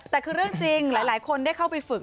แต่คือเรื่องจริงหลายคนได้เข้าไปฝึก